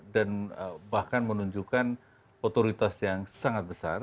dan bahkan menunjukkan otoritas yang sangat besar